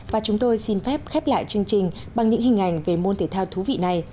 và chúng tôi xin phép khép lại chương trình bằng những hình ảnh về môn thể thao thú vị này